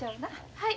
はい。